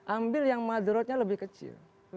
ambil yang mother outnya lebih kecil